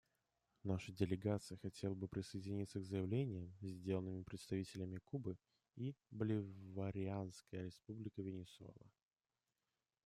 Наша делегация хотела бы присоединиться к заявлениям, сделанным представителями Кубы и Боливарианская Республика Венесуэла.